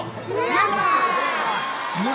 やった！